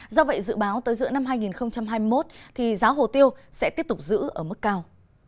do vậy dự báo tới giữa năm hai nghìn hai mươi một thì giá hồ tiêu sẽ tiếp tục giữ ở mức cao